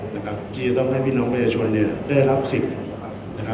ที่จะต้องให้พี่น้องประชาชนได้รับสิทธิ์